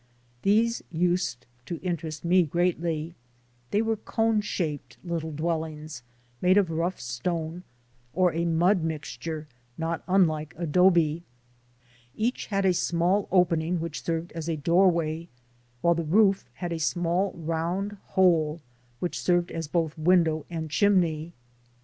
These used to interest me greatly. They were cone shaped little dwellings made of rough stone or a mud mix ture not unlike adobe. Each had a small opening which served as a doorway, while the roof had a small round hole which served as both window and chimney.